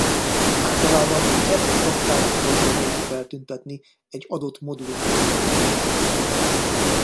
Általában ezt szokták utolsó helyen feltüntetni egy adott modul időzítései közül.